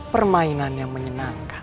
permainan yang menyenangkan